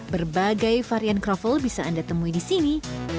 berbagai varian kroffel bisa anda temui di sini